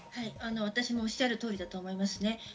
私もおっしゃる通りだと思います。